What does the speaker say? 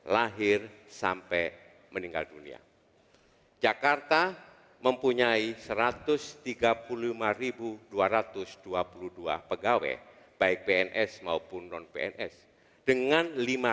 lahir sampai meninggal dunia jakarta mempunyai satu ratus tiga puluh lima dua ratus dua puluh dua pegawai baik pns maupun non pns dengan lima ratus